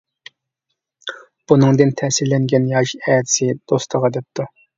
بۇنىڭدىن تەسىرلەنگەن ياش ئەتىسى دوستىغا دەپتۇ.